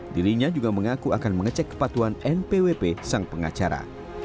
dirinya juga mengaku akan mengecek kepatuan npwp sang pengacara